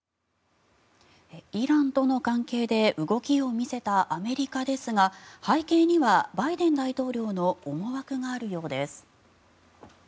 イランとの関係で動きを見せたアメリカですが背景にはバイデン大統領の思惑があるようです。